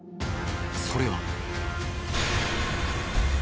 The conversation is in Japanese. それは。